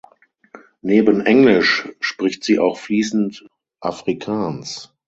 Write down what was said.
Neben Englisch spricht sie auch fließend Afrikaans.